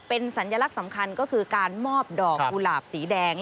เป็นสัญลักษณ์สำคัญก็คือการมอบดอกกุหลาบสีแดง